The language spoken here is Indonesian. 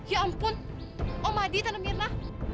ya ampun om hadi tante myrna